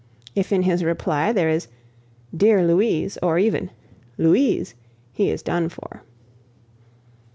If in his reply there is "Dear Louise!" or even "Louise," he is done for!